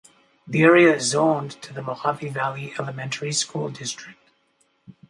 The area is zoned to the Mohave Valley Elementary School District.